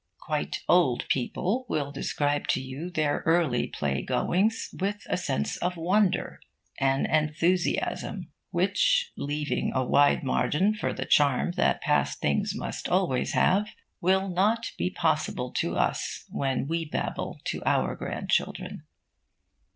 Quite old people will describe to you their early playgoings with a sense of wonder, an enthusiasm, which leaving a wide margin for the charm that past things must always have will not be possible to us when we babble to our grandchildren.